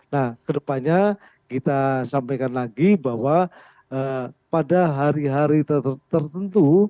nah kedepannya kita sampaikan lagi bahwa pada hari hari tertentu